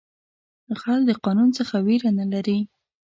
غل د قانون څخه ویره نه لري